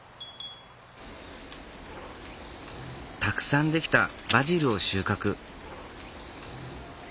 たくさん出来たバジルを収穫。